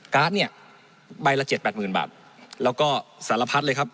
การ์ดเนี่ยใบละ๗๘๐๐๐๐บาทแล้วก็สารพัฒน์เลยครับ